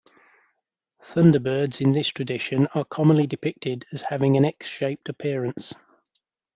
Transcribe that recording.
Thunderbirds in this tradition are commonly depicted as having an X-shaped appearance.